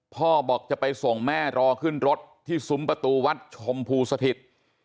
บอกจะไปส่งแม่รอขึ้นรถที่ซุ้มประตูวัดชมพูสถิต